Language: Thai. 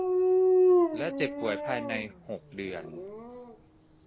และเจ็บป่วยภายใน หก เดือน